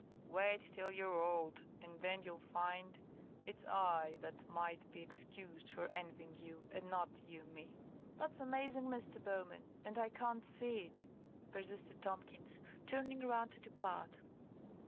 Wait till you're old, and then you'll find it's I that might be excused for envying you, and not you me." "That's amazing, Mr. Bowman, and I can't see it," persisted Tomkins, turning round to depart.